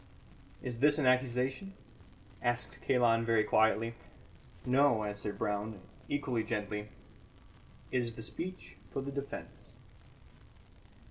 "Is this an accusation?" asked Kalon very quietly. "No," answered Brown, equally gently, "it is the speech for the defence."